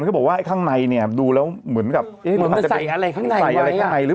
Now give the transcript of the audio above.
ก็บอกว่าไอ้ข้างในเนี่ยดูแล้วเหมือนกับอะไรข้างในหรือ